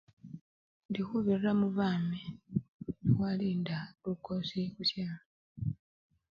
Indi khubirira mubami khwalinda lukosi khusyalo.